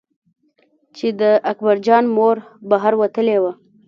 چې د اکبر جان مور بهر وتلې وه.